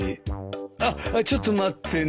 あっちょっと待ってね。